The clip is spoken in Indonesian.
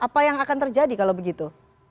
apa yang akan terjadi kalau begitu